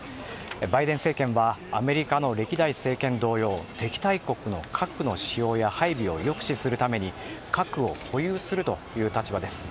バイデン政権はアメリカの歴代政権同様敵対国の核の使用や配備を抑止するために核を保有するという立場です。